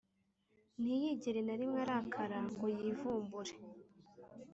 ntiyigere na rimwe arakara ngo yivumbure.